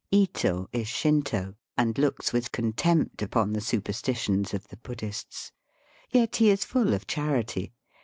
Ito is Shinto, and looks with contempt upon the superstitions of the Buddhists. Yet he is full of charity.